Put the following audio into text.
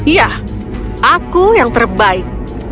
ya aku yang terbaik